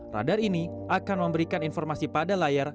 radar ini akan memberikan informasi pada layar